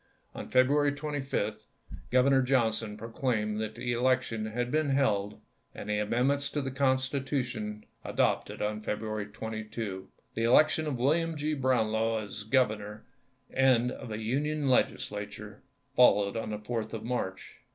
On February 25, Grovernor Johnson pro claimed that the election had been held and the amendments to the constitution adopted on Febru ary 22. The election of William G. Brownlow as governor, and of a Union Legislature, followed on the 4th of March.